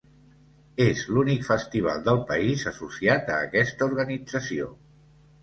És l’únic festival del país associat a aquesta organització.